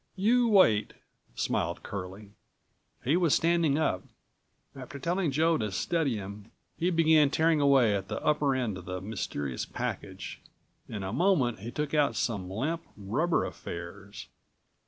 "You wait," smiled Curlie. He was standing up. After telling Joe to steady him, he began tearing away at the upper end of the mysterious package. In a moment, he took out some limp, rubber affairs.